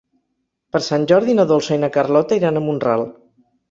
Per Sant Jordi na Dolça i na Carlota iran a Mont-ral.